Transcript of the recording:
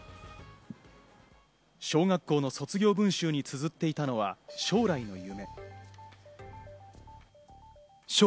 小学校の卒業文集につづっていたのは将来の夢。